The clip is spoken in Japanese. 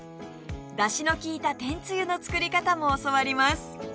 だしのきいた天つゆの作り方も教わります